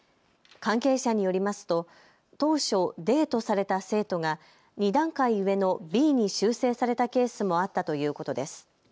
関係者によりますと当初、Ｄとされた生徒が２段階上のＢに修正されたケースもあったということです。